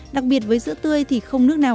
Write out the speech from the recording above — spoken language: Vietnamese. đặc biệt với sữa tươi thì không nước nào